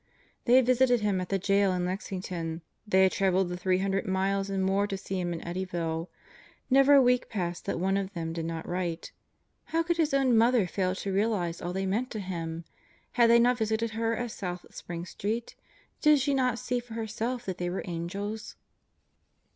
They had visited him at the jail in Lexington. They had traveled the three hundred miles and more to see him in Eddyville. Never a week passed that one of them did not write. How could his own mother fail to realize all they meant to him? Had they not visited her at South Spring Street? Did she not see for herself that they were angels?